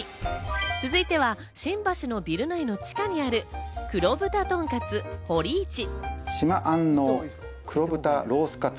続いては新橋のビル街の地下にある、黒豚とんかつ